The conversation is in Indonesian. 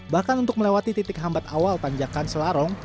bahkan untuk melewati titik hambat awal tanjakan selarong